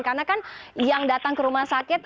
karena kan yang datang ke rumah sakit